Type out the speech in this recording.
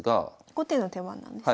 後手の手番なんですね。